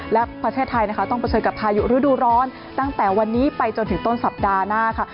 และประเทศไทยนะคะต้องเผชิญกับพายุฤดูร้อนตั้งแต่วันนี้ไปจนถึงต้นสัปดาห์หน้าค่ะ